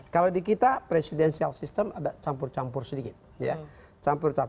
kalau di kita presidensial system ada campur campur sedikit